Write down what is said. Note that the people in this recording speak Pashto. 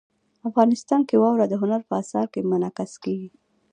افغانستان کې واوره د هنر په اثار کې منعکس کېږي.